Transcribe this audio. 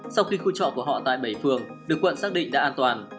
sau khi khu trọ của họ tại bảy phường được quận xác định đã an toàn